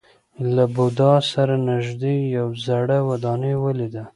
له بودا سره نژدې یوه زړه ودانۍ ولیده.